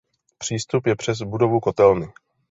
Přístup je přes budovu kotelny.